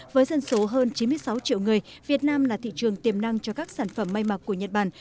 với dân số hơn chín mươi sáu triệu người việt nam là thị trường tiềm năng cho các sản phẩm may mặc của nhật bản